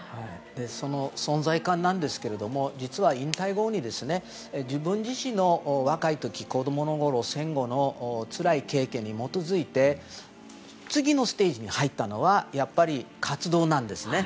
その存在感ですが実は引退後に、自分自身の若い時、子供のころ戦後のつらい経験に基づいて次のステージに入ったのはやっぱり活動なんですね。